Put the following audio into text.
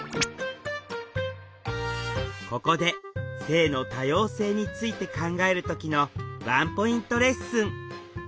ここで「性」の多様性について考える時のワンポイントレッスン！